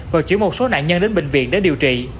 và chuyển một số nạn nhân đến bệnh viện để điều trị